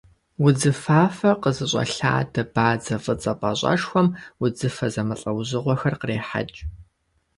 Удзыфафэ къызыщӏэлъадэ бадзэ фӏыцӏэ пӏащӏэшхуэм узыфэ зэмылӏэужьыгъуэхэр кърехьэкӏ.